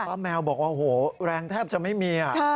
ป้าแมวบอกว่าแรงแทบจะไม่มี